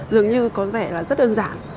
dường như có vẻ là rất đơn giản